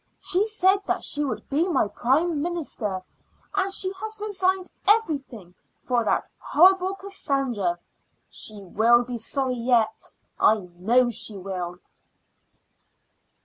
She said that she would be my Prime Minister, and she has resigned everything for that horrible Cassandra. She will be sorry yet; I know she will."